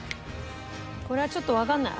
これはちょっとわかんない私